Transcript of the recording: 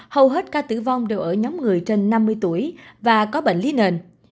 hầu hết ca tử vong đều ở nhóm người trên năm mươi tuổi và có bệnh lý nền